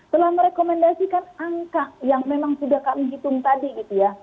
telah merekomendasikan angka yang memang sudah kami hitung tadi gitu ya